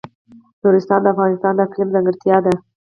نورستان د افغانستان د اقلیم ځانګړتیا ده.